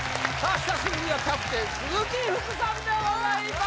久しぶりなキャプテン鈴木福さんでございます